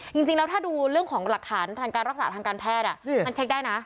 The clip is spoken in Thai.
จริงแล้วถ้าดูเรื่องของหลักฐานทางการรักษาทางการแพทย์มันเช็คได้นะ